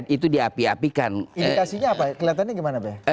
indikasinya apa keliatannya gimana be